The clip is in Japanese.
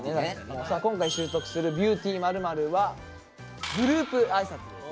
今回習得するビューティー○○は「グループ挨拶」です。